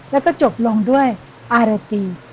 แล้วก็จบลงด้วยอารตี